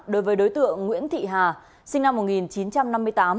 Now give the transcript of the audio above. đối với đối tượng nguyễn thị hà sinh năm một nghìn chín trăm năm mươi tám